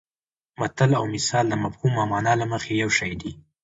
متل او مثل د مفهوم او مانا له مخې یو شی دي